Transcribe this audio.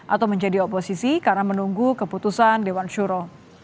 atau menjadi oposisi karena menunggu keputusan dewan syuro